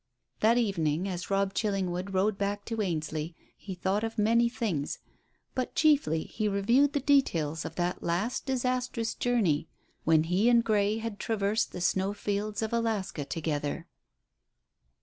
That evening as Robb Chillingwood rode back to Ainsley he thought of many things, but chiefly he reviewed the details of that last disastrous journey when he and Grey had traversed the snow fields of Alaska together.